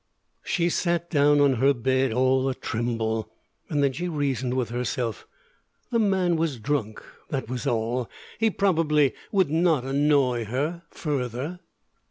She sat down on her bed all a tremble. Then she reasoned with herself. The man was drunk, that was all. He probably would not annoy her further.